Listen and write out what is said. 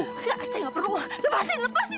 saya tidak perlu lepasin lepasin lepasin